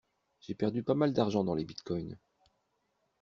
J'ai perdu pas mal d'argent dans les bitcoin.